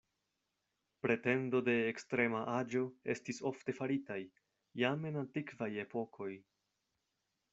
Pretendo de ekstrema aĝo estis ofte faritaj, jam en antikvaj epokoj.